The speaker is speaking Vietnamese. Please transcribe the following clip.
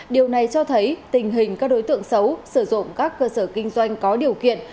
điều này cho thấy tình hình các đối tượng xấu sử dụng các cơ sở kinh doanh có điều kiện